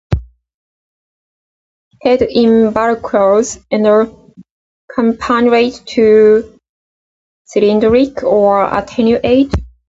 Head involucres are campanulate to cylindric or attenuate.